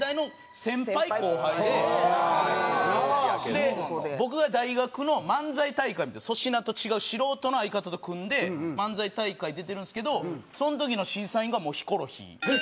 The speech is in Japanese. で僕が大学の漫才大会みたいなの粗品と違う素人の相方と組んで漫才大会出てるんですけどその時の審査員がヒコロヒー。